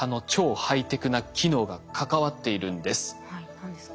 何ですか？